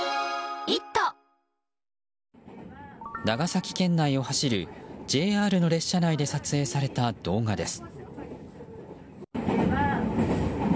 長崎県内を走るＪＲの列車内で撮影された動画です。